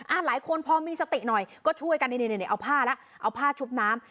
หลายคนพอมีสติหน่อยก็ช่วยกันนี่เอาผ้าแล้วเอาผ้าชุบน้ำ